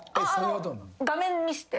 画面見せて。